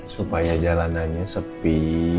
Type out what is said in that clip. supaya jalanannya sepi